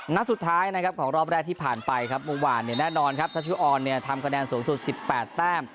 นักสุดท้ายของรอบแรกที่ผ่านไปครับมุมหวานแน่นอนทัชโชอลทำกระแนนสูงสุด๑๘แต้ม